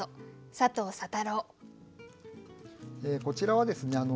こちらはですね